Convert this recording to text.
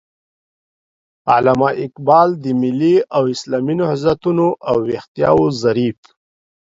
علامه اقبال د ملي او اسلامي نهضتونو او ويښتياو ظريف